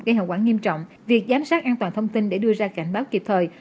gây hậu quả nghiêm trọng việc giám sát an toàn thông tin để đưa ra cảnh báo kịp thời